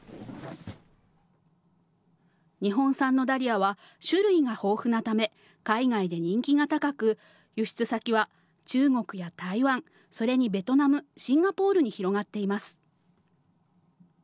日本産のダリアは種類が豊富なため、海外で人気が高く、輸出先は中国や台湾、それにベトナム、シンガポールに広がっています。